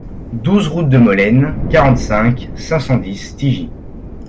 douze route de Molaine, quarante-cinq, cinq cent dix, Tigy